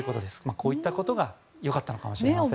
こういったことがよかったのかもしれません。